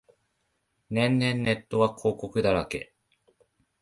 年々ネットは広告だらけ